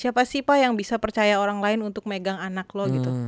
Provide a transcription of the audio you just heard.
siapa sih pak yang bisa percaya orang lain untuk megang anak loh gitu